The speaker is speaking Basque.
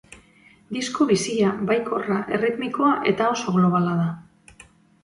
Disko bizia, baikorra erritmikoa eta oso globala da.